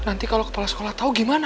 nanti kalau kepala sekolah tahu gimana